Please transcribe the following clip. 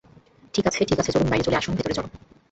ঠিক আছে ঠিক আছে, চলুন বাইরে চলে আসুন ভিতরে চলো!